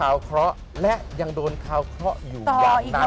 เคราะห์และยังโดนคาวเคราะห์อยู่อย่างนั้น